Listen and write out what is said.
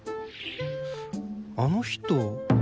あの人